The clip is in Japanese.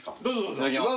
いただきます。